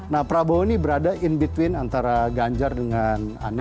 nah prabowo ini berada in between antara ganjar dengan anies